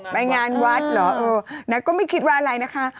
ไปงานวัดเหรอเออนางก็ไม่คิดว่าอะไรนะคะ